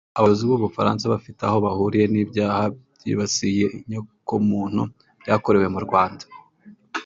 abayobozi b’ u Bufaransa bafite aho bahuriye n’ibyaha byibasiye inyokomuntu byakorewe mu Rwanda